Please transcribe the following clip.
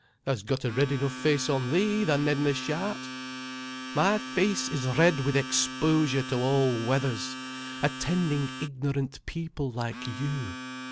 "Tha's got a red enough face on thee, tha nedna shout." "My face is red with exposure to all weathers, attending ignorant people like you.